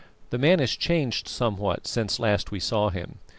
The man has changed somewhat since last we saw him.